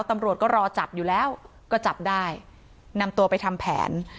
ตำรวจก็รอจับอยู่แล้วก็จับได้นำตัวไปทำแผน